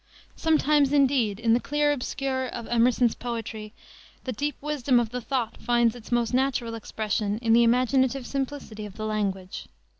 Sometimes, indeed, in the clear obscure of Emerson's poetry the deep wisdom of the thought finds its most natural expression in the imaginative simplicity of the language.